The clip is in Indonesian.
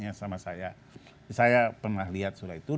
yang kemarin minta izin untuk bikin di cibubur